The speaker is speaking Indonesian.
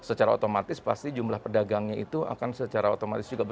secara otomatis pasti jumlah pedagangnya itu akan secara otomatis juga bertambah